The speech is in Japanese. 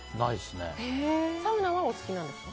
サウナはお好きなんですか？